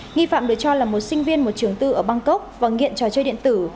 nghi phạm được cho là một sinh viên một trường tư ở bangkok và nghiện trò chơi điện tử